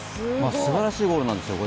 すばらしいゴールなんですよ、これ。